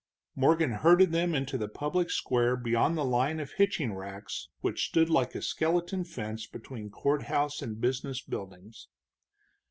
Morgan herded them into the public square beyond the line of hitching racks which stood like a skeleton fence between courthouse and business buildings.